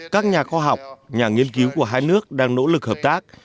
các nhà khoa học nhà nghiên cứu của hai nước đang nỗ lực hợp tác